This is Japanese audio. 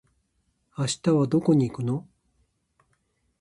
明日はどこに行くの？